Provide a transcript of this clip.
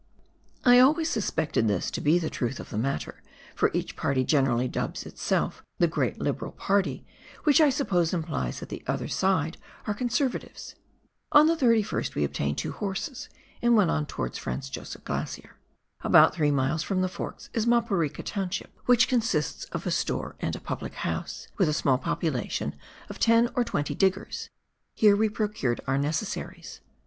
I always suspected this to be the truth of the matter, for each party generally dubs itself the " Great Liberal Party," which I suppose implies that the other side are Conservatives ! On the 31st we obtained two horses and went on towards the Fran/ Josef Glacier. About three miles from the Forks is Maporika township, which consists of a store and a public 48 PIONEER WORK IN THE ALPS OF NEW ZEALAND. house, witli a small population of ten or twenty diggers ; here we procured our necessaries.